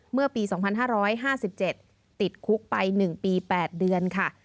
เมื่อปี๒๕๕๗ติดคุกไป๑ปี๘เดือนค่ะ